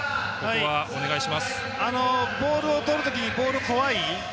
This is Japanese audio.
ボールをとる時にボール怖い？